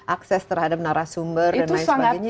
akses terhadap narasumber dan lain sebagainya